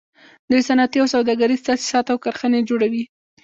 دوی صنعتي او سوداګریز تاسیسات او کارخانې جوړوي